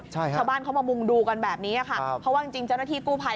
ใช่ค่ะชาวบ้านเขามามุงดูกันแบบนี้ค่ะเพราะว่าจริงเจ้าหน้าที่กู้ภัย